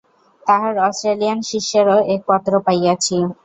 তাঁহার অষ্ট্রেলিয়ান শিষ্যেরও এক পত্র পাইয়াছি।